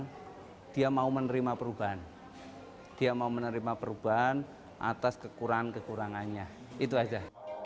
yang ada di hadapan gemilang dia mau menerima perubahan dia mau menerima perubahan atas kekurangan kekurangannya itu saja